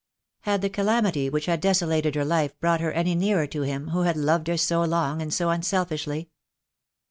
Had the calamity which had desolated her life brought her any nearer to him who had loved her so long and so unselfishly?